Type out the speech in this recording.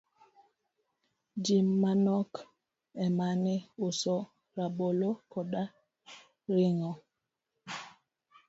ji manok emane uso rabolo koda ring'o.